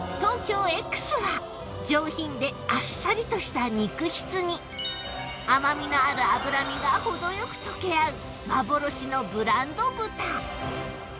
上品であっさりとした肉質に甘みのある脂身が程よく溶け合う幻のブランド豚